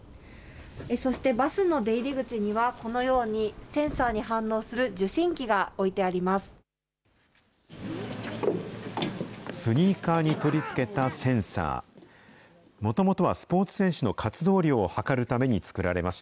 そしてバスの出入り口には、このように、センサーに反応する受信機が置いてあります。